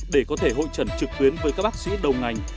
để có thể hội trần trực tuyến với các bác sĩ đầu ngành